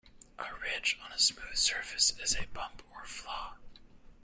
A ridge on a smooth surface is a bump or flaw.